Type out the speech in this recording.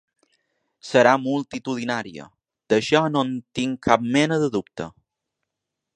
Serà multitudinària, d’això no en tinc cap mena de dubte.